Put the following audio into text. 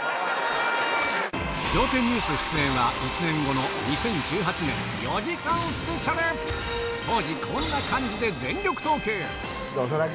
『仰天ニュース』出演は１年後の２０１８年４時間ＳＰ当時こんな感じで全力投球長田君。